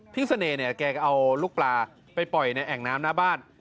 พี่เสน่ห์เอาลูกปลาไปปล่อยในแอ่งน้ำละบ้าน